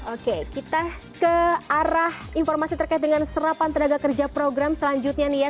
oke kita ke arah informasi terkait dengan serapan tenaga kerja program selanjutnya nih ya